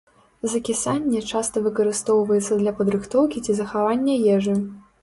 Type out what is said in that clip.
Закісанне часта выкарыстоўваецца для падрыхтоўкі ці захавання ежы.